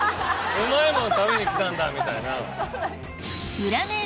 うまいもん食べに来たんだみたいな。